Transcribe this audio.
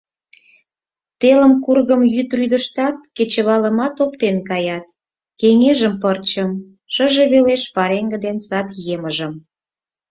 Телым кургым йӱдрӱдыштат, кечывалымат оптен каят, кеҥежым — пырчым, шыже велеш — пареҥге ден сад емыжым.